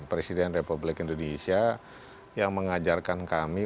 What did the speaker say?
presiden republik indonesia yang mengajarkan kami